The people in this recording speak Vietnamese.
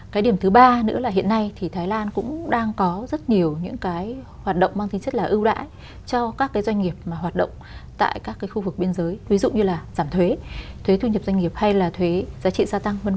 cái điểm thứ ba nữa là hiện nay thì thái lan cũng đang có rất nhiều những cái hoạt động mang tính chất là ưu đãi cho các cái doanh nghiệp mà hoạt động tại các cái khu vực biên giới ví dụ như là giảm thuế thuế thu nhập doanh nghiệp hay là thuế giá trị gia tăng v v